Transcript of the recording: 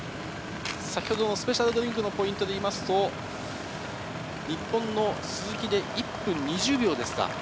スペシャルドリンクのポイントでいいますと、日本の鈴木で１分２０秒ですか。